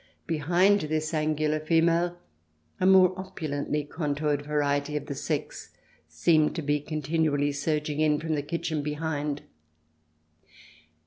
Behind this angular female, a more opulently con toured variety of the sex seemed to be continually surging in from the kitchen behind.